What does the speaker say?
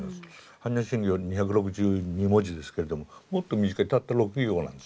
般若心経２６２文字ですけれどももっと短いたった６行なんです。